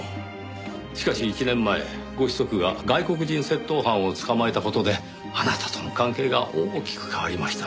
しかし１年前ご子息が外国人窃盗犯を捕まえた事であなたとの関係が大きく変わりました。